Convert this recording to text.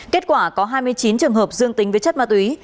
kết quả có hai mươi chín trường hợp dương tính với chất ma túy